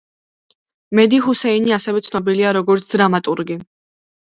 მედი ჰუსეინი ასევე ცნობილია როგორც დრამატურგი.